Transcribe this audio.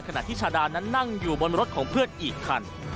ขณะที่ชาดานั้นนั่งอยู่บนรถของเพื่อนอีกคัน